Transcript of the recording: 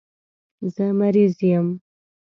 زه مریض یم.